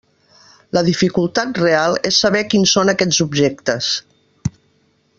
La dificultat real és saber quins són aquests objectes.